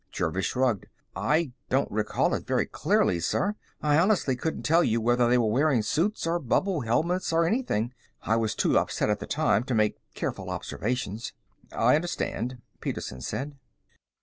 Jervis shrugged. "I don't recall it very clearly, sir. I honestly couldn't tell you whether they were wearing suits or bubble helmets or anything. I was too upset at the time to make careful observations." "I understand," Petersen said.